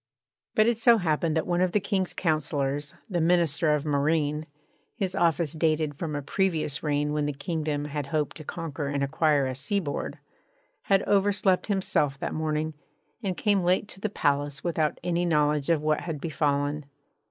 But it so happened that one of the King's councillors, the Minister of Marine (his office dated from a previous reign when the kingdom had hoped to conquer and acquire a seaboard) had overslept himself that morning and came late to the palace without any knowledge of what had befallen.